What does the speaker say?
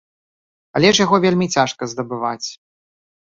Але ж яго вельмі цяжка здабываць.